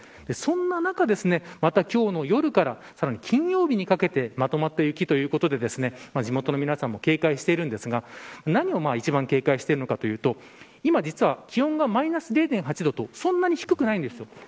そんな中、また今日の夜からさらに金曜日にかけてまとまった雪ということで地元の皆さんも警戒しているんですか何を一番警戒しているかというと今、実は気温がマイナス０．８度とそんなに低くないんです。